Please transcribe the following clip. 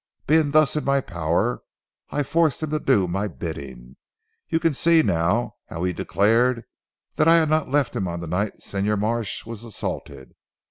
Being thus in my power, I forced him to do my bidding. You can see now, how he declared that I had not left him on the night Señor Marsh was assaulted.